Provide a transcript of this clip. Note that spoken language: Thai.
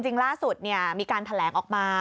จริงล่าสุดมีการแถลงออกมา